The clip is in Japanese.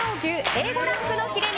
Ａ５ランクのヒレ肉